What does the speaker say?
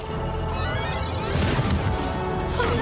そんな。